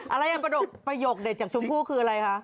อะไรอย่างประโยคประโยคจากชมพูคืออะไรคะ